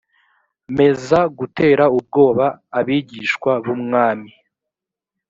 meza gutera ubwoba abigishwa b umwami